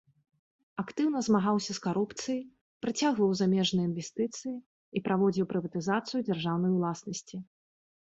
Актыўна змагаўся з карупцыяй, прыцягваў замежныя інвестыцыі і праводзіў прыватызацыю дзяржаўнай уласнасці.